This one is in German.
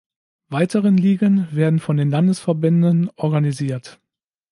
Weiteren Ligen werden von den Landesverbänden organisiert.